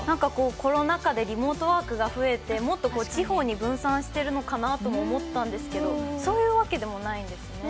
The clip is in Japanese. コロナ禍でリモートワークが増えてもっと地方に分散しているのかなとも思ったんですけどそういうわけでもないんですね。